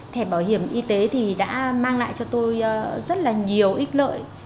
thẻ bảo hiểm y tế thì đã mang lại cho tôi rất là nhiều ít lợi